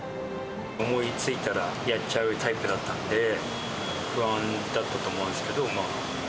思いついたらやっちゃうタイプだったんで、不安だったと思うんですけど。